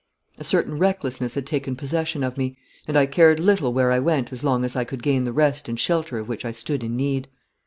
A certain recklessness had taken possession of me, and I cared little where I went as long as I could gain the rest and shelter of which I stood in need.